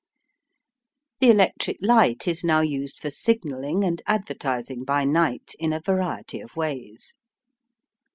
The electric light is now used for signalling and advertising by night in a variety of ways.